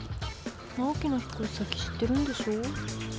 直季の引っ越し先知ってるんでしょ？